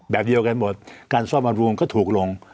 แบบเดียวกันหมดการซ่อมอารมณ์ก็ถูกลง